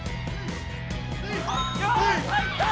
よし入った！